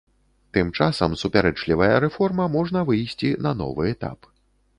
Тым часам супярэчлівая рэформа можна выйсці на новы этап.